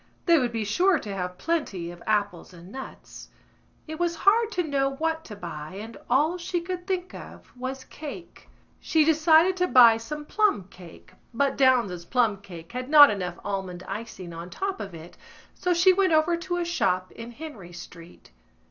They would be sure to have plenty of apples and nuts. It was hard to know what to buy and all she could think of was cake. She decided to buy some plumcake but Downes's plumcake had not enough almond icing on top of it so she went over to a shop in Henry Street.